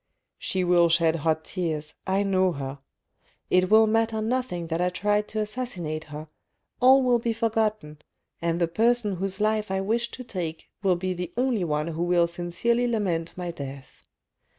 " She will shed hot tears, I know her ; it will matter nothing that I tried to assassinate her — all will be forgotten, and the person whose life I wished to take will be the only one who will sincerely lament my death.